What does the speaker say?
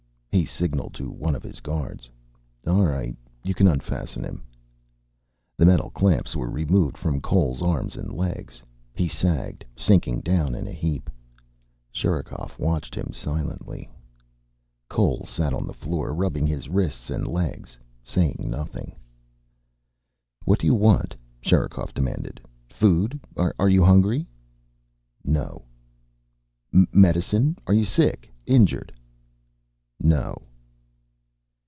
He signalled to one of his guards. "All right. You can unfasten him." The metal clamps were removed from Cole's arms and legs. He sagged, sinking down in a heap. Sherikov watched him silently. Cole sat on the floor, rubbing his wrists and legs, saying nothing. "What do you want?" Sherikov demanded. "Food? Are you hungry?" "No." "Medicine? Are you sick? Injured?" "No."